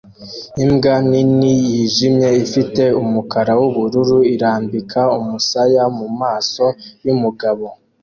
Imbwa nini yijimye ifite umukara wubururu irambika umusaya mumaso yumugabo